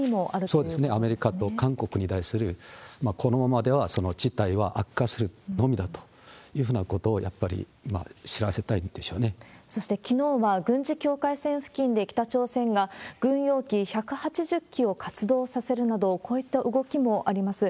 そうですね、アメリカと韓国に対する、このままでは事態は悪化するのみだというふうなことを、やっぱりそして、きのうは軍事境界線付近で、北朝鮮が軍用機１８０機を活動させるなど、こういった動きもあります。